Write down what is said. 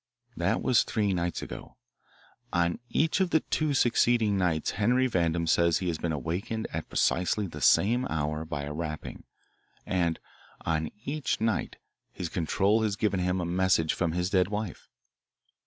"That was three nights ago. On each of the two succeeding nights Henry Vandam says he has been awakened at precisely the same hour by a rapping, and on each night his 'control' has given him a message from his dead wife.